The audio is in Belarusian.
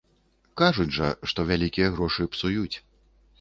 Кажуць жа, што вялікія грошы псуюць.